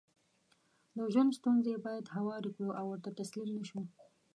دژوند ستونزې بايد هوارې کړو او ورته تسليم نشو